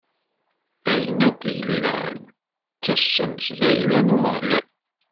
Ayen akk yellan d tassemt d ayla n Umeɣlal.